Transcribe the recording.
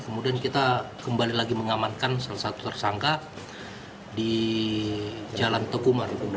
kemudian kita kembali lagi mengamankan salah satu tersangka di jalan tokumar